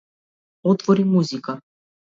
Отвори Музика.